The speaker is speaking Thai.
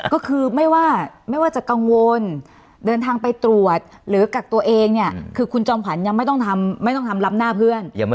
ก็คือไม่ว่าไม่ว่าจะกังวลเดินทางไปตรวจหรือกักตัวเองเนี่ยคือคุณจอมขวัญยังไม่ต้องทำไม่ต้องทำรับหน้าเพื่อน